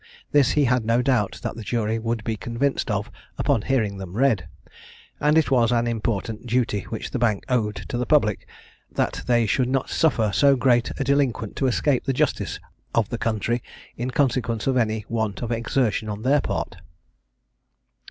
This he had no doubt that the jury would be convinced of upon hearing them read; and it was an important duty which the Bank owed to the public, that they should not suffer so great a delinquent to escape the justice of the country, in consequence of any want of exertion on their part.